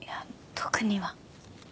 特には。